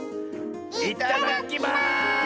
いただきます！